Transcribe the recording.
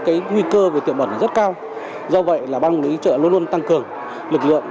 cái nguy cơ về tiệm ẩn rất cao do vậy là ban quản lý chợ luôn luôn tăng cường lực lượng